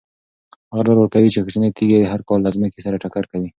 هغه ډاډ ورکوي چې کوچنۍ تیږې هر کال له ځمکې سره ټکر کوي.